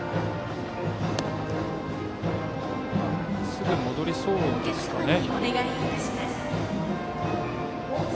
すぐ戻りそうですかね。